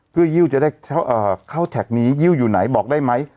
เพื่อยิ้วจะได้เข้าแท็กนี้ยิ้วอยู่ไหนบอกได้ไหม